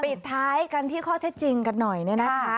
ปิดท้ายกันที่ข้อเท็จจริงกันหน่อยนะครับ